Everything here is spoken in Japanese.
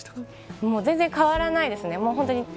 全然、変わらないですね。